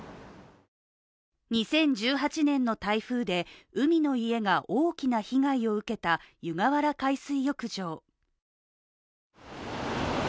２０１８年の台風で海の家が大きな被害を受けた湯河原海水浴場。